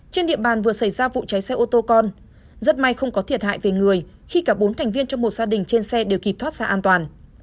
trên địa bàn vừa xảy ra vụ cháy xe ô tô con rất may không có thiệt hại về người khi cả bốn thành viên trong một gia đình trên xe đều kịp thoát xa an toàn